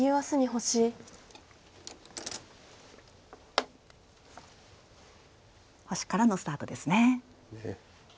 星からのスタートですね。